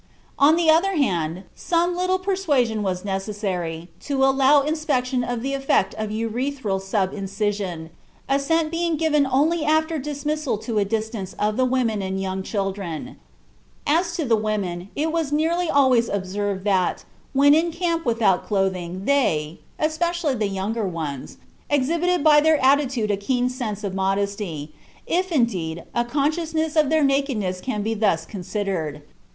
On the other hand, some little persuasion was necessary to allow inspection of the effect of [urethral] sub incision, assent being given only after dismissal to a distance of the women and young children. As to the women, it was nearly always observed that when in camp without clothing they, especially the younger ones, exhibited by their attitude a keen sense of modesty, if, indeed, a consciousness of their nakedness can be thus considered.